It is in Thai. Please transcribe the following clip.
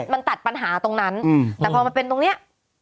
มันตัดปัญหาตรงนั้นแต่พอมันเป็นตรงนี้